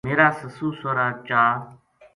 میرا سسُو سوہرا چا